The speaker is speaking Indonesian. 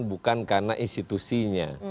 bukan karena institusinya